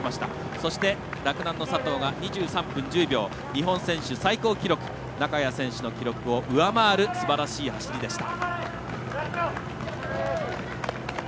そして、洛南の佐藤が日本選手最高記録中谷選手の記録を上回るすばらしい記録でした。